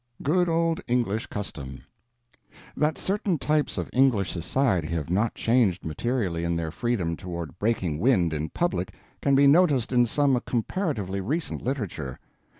GOOD OLD ENGLISH CUSTOM That certain types of English society have not changed materially in their freedom toward breaking wind in public can be noticed in some comparatively recent literature.